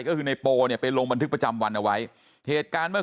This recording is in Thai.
ก็คือในโปเนี่ยไปลงบันทึกประจำวันเอาไว้เหตุการณ์เมื่อ